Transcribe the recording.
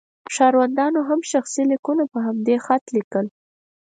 ښاروندانو هم شخصي لیکونه په همدې خط لیکل.